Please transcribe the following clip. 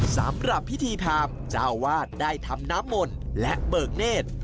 สำหรับพิธีพรามเจ้าวาดได้ทำน้ำมนต์และเบิกเนธ